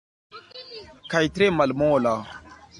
Kaj tre malmola.